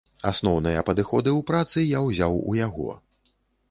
Асноўныя падыходы ў працы я ўзяў у яго.